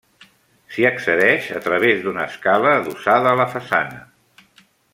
S’hi accedeix a través d’una escala adossada a la façana.